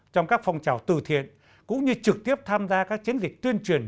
trong các phong trào từ thiện cũng như trực tiếp tham gia các chiến dịch tuyên truyền